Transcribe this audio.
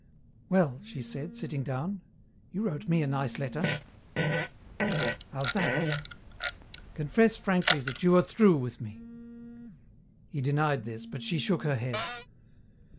"Well," she said, sitting down. "You wrote me a nice letter." "How's that?" "Confess frankly that you are through with me." He denied this, but she shook her head.